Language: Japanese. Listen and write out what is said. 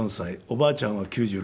おばあちゃんは９６歳。